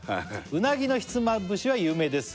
「うなぎのひつまぶしは有名ですが」